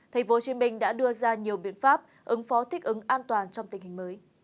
tp hcm đã đưa ra nhiều biện pháp ứng phó thích ứng an toàn trong tình hình mới